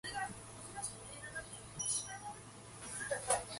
Directly across the street was a vacant lot, suitable for construction of the Casino.